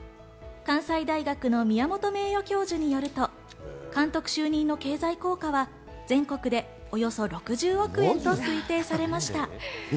関西大学の宮本名誉教授の推定によると、経済効果は全国でおよそ６０億円と推定されました。